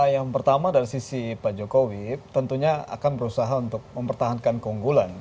yang pertama dari sisi pak jokowi tentunya akan berusaha untuk mempertahankan keunggulan